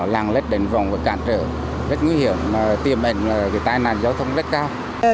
làng lết đến vòng và cản trở rất nguy hiểm tiềm ảnh là cái tai nạn giao thông rất cao